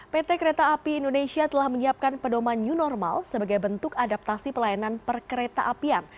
pt kereta api indonesia telah menyiapkan pedoman new normal sebagai bentuk adaptasi pelayanan perkereta apian